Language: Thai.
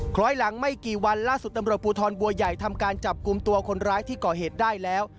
ขอให้หลังไม่กี่วันล่าสุดตำรวจภูทรบัวใหญ่ทำการจับกลุ่มตัวคนร้ายที่ก่อเหตุได้แล้ว